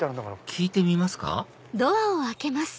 聞いてみますか？